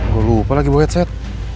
gue lupa lagi bawa headset